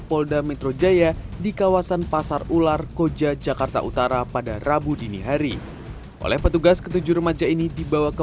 popular koja jakarta utara pada rabu dini hari oleh petugas ketujuh remaja ini dibawa ke